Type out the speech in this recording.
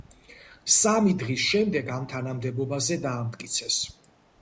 სამი დღის შემდეგ ამ თანამდებობაზე დაამტკიცეს.